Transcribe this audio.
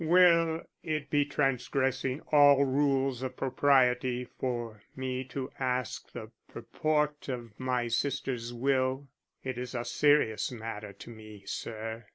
Will it be transgressing all rules of propriety for me to ask the purport of my sister's will? It is a serious matter to me, sir.